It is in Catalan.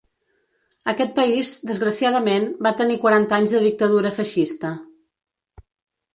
Aquest país, desgraciadament, va tenir quaranta anys de dictadura feixista.